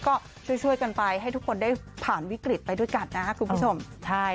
ก็ช่วยกันไปให้ทุกคนได้ผ่านวิกฤตไปด้วยกันนะครับคุณผู้ชมใช่